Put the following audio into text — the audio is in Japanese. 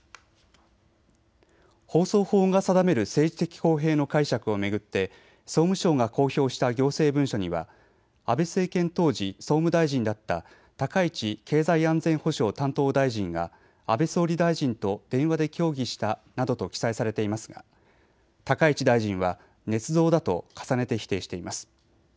放送法が定める政治的公平の解釈を巡って総務省が公表した行政文書には安倍政権当時総務大臣だった高市経済安全保障担当大臣が安倍総理大臣と電話で協議したなどと記載されていますが高市大臣はねつ造だと重ねて否定しています。